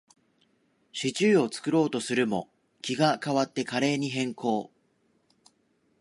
シチューを作ろうとするも、気が変わってカレーに変更